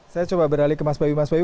saya coba beralih ke mas bayu mas bayu